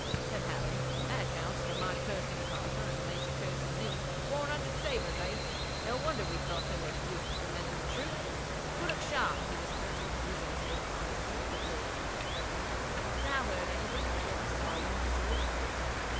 said Halley. 'That accounts for my cursing Carter and the Major cursing me. Four hundred sabres, eh? No wonder we thought there were a few extra men in the troop. Kurruk Shah,' he whispered to a grizzled native officer that lay within a few feet of him, 'hast thou heard anything of a dead Rissala in these hills?'